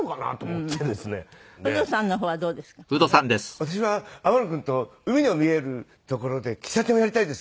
私は天野くんと海の見える所で喫茶店をやりたいです。